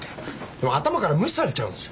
でも頭っから無視されちゃうんですよ。